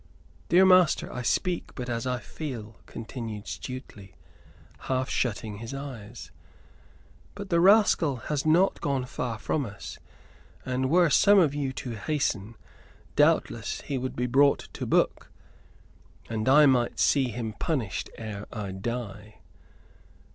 "Dear master, I speak but as I feel," continued Stuteley, half shutting his eyes. "But the rascal has not gone far from us; and were some of you to hasten, doubtless he would be brought to book, and I might see him punished ere I die.